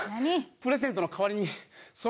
プレゼントの代わりにその。